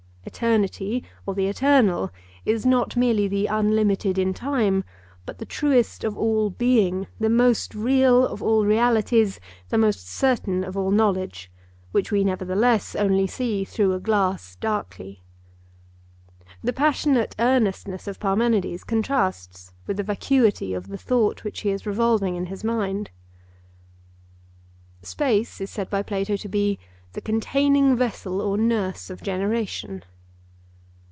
Eternity or the eternal is not merely the unlimited in time but the truest of all Being, the most real of all realities, the most certain of all knowledge, which we nevertheless only see through a glass darkly. The passionate earnestness of Parmenides contrasts with the vacuity of the thought which he is revolving in his mind. Space is said by Plato to be the 'containing vessel or nurse of generation.